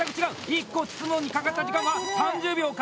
１個包むのにかかった時間は３０秒か！？